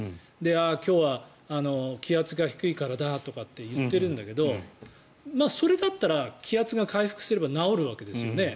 今日は気圧が低いからだと言ってるんだけどそれだったら気圧が回復すれば治るわけですよね。